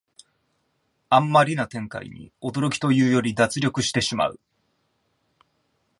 あんまりな展開に驚きというより脱力してしまう